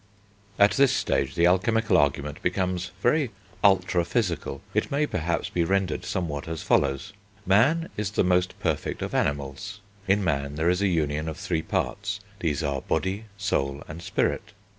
At this stage the alchemical argument becomes very ultra physical. It may, perhaps, be rendered somewhat as follows: Man is the most perfect of animals; in man there is a union of three parts, these are body, soul, and spirit.